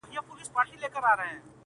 • لکه روڼي د چینې اوبه ځلیږي ,